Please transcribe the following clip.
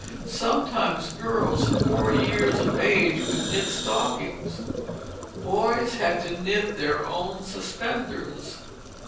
Sometimes girls four years of age could knit stockings. Boys had to knit their own suspenders.